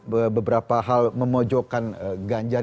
beberapa hal memojokkan ganjar